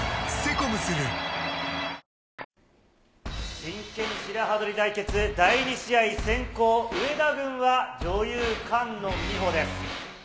真剣白刃取り対決、第２試合、先攻、上田軍は女優、菅野美穂です。